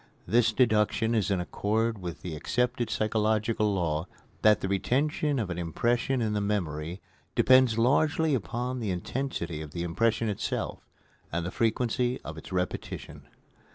This deduction is in accord with the accepted psychological law that the retention of an impression in the memory depends largely upon the intensity of the impression itself, and the frequency of its repetition.